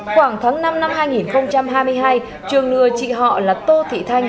khoảng tháng năm năm hai nghìn hai mươi hai trường lừa chị họ là tô thị thanh